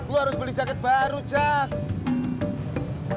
lu harus beli jaket baru jack